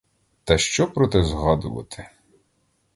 Та що про те згадувати!